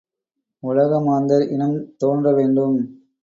உலக மாந்தர் இனம் தோன்றவேண்டும்.